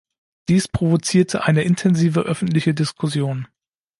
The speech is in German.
Dies provozierte eine intensive öffentliche Diskussion.